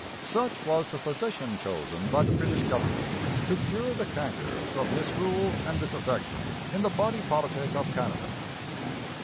Such was the physician chosen by the British government to cure the cankers of misrule and disaffection in the body politic of Canada.